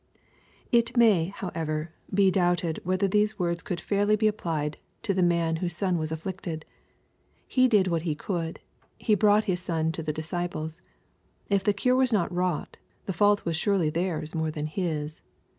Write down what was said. It may, however, be doubted whether these words caild feirly 326 lEXPOSITOBY THOUGHTS. be ap|. led to the man whose son was afflicted. He did what he could. He brought his son to the disciples. If the cure was not wrought, the fault was surely theirs more than his.